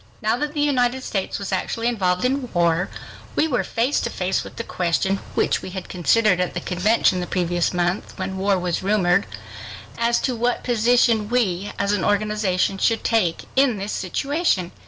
Now that the United States was actually involved in war, we were face to face with the question, which we had considered at the convention the previous month, when war was rumored, as to what position we, as an organization, should take in this situation.